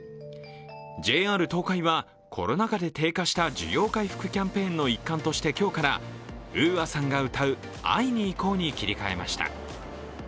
ＪＲ東海はコロナ禍で低下した需要回復キャンペーンの一環として今日からＵＡさんが歌う「会いにいこう」に切り替えました。